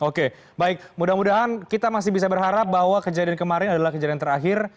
oke baik mudah mudahan kita masih bisa berharap bahwa kejadian kemarin adalah kejadian terakhir